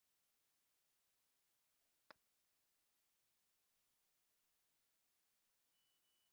আমাদিগকে ঐগুলি অতিক্রম করিতে হইবে।